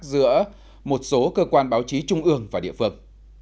giữa một số cơ quan báo chí trung ương và địa phương